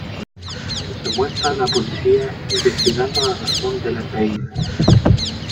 Se muestra a la policía investigando la razón de la caída.